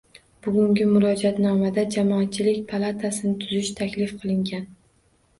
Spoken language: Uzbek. Bugungi murojaatnomada Jamoatchilik palatasini tuzish taklif qilingan